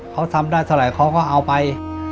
เขาทำได้สาหร่ายเขาก็เอาไป